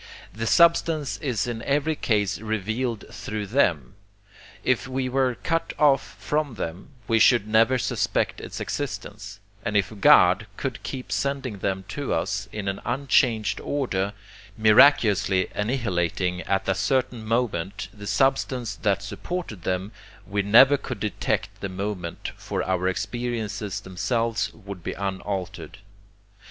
The substance is in every case revealed through THEM; if we were cut off from THEM we should never suspect its existence; and if God should keep sending them to us in an unchanged order, miraculously annihilating at a certain moment the substance that supported them, we never could detect the moment, for our experiences themselves would be unaltered.